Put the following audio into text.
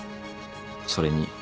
それに。